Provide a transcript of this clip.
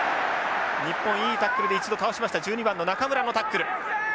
日本いいタックルで一度倒しました１２番の中村のタックル。